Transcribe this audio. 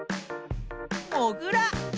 もぐら。